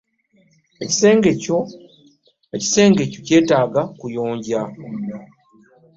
Ekisenge kyo kyetaaga kuyonja.